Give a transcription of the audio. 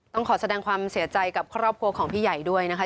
ต้องขอแสดงความเสียใจกับครอบครัวของพี่ใหญ่ด้วยนะคะ